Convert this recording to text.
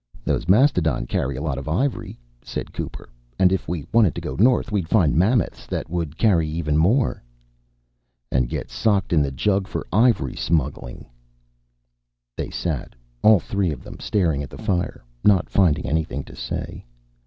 "Those mastodon carry a lot of ivory," said Cooper. "And if we wanted to go north, we'd find mammoths that would carry even more...." "And get socked into the jug for ivory smuggling?" They sat, all three of them, staring at the fire, not finding anything to say.